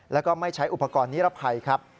แล้วก็ไม่ใช้อุปกรณ์นิรภัยครับ